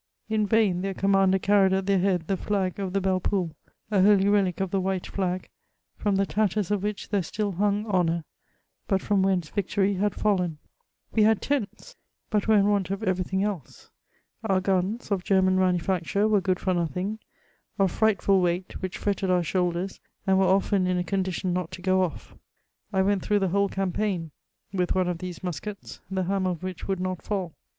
In yain their commander carried at their head the flag of the BeUe Poule — a holy relic of the white flag, from the tatters of whicfa there still hung honour, but from whence victory had fallen. We had tents ; but were in want of evenr thing else. Our guns, of Grerman manufacture, were good for nothing; of frightful weight, which fretted our shoulders, and were often in a condition not to g^ off. I went through the whole campaign with one of these muskets, the hammer of which would not fall.